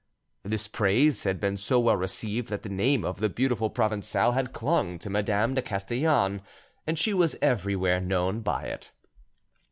This praise had been so well received, that the name of "the beautiful Provencale" had clung to Madame de Castellane, and she was everywhere known by it.